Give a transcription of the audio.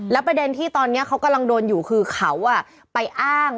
ประเด็นที่ตอนนี้เขากำลังโดนอยู่คือเขาไปอ้าง